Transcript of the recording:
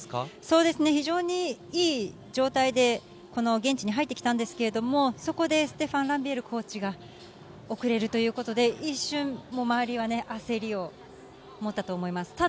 非常に良い状態で現地に入ってきたんですけれども、そこでステファン・ランビエールコーチが遅れるということで、一瞬、周りは焦りを持ったと思います。